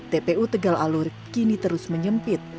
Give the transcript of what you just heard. tpu tegal alur kini terus menyempit